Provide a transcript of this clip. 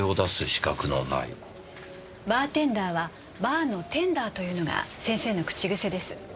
「バーテンダーはバーのテンダー」というのが先生の口癖です。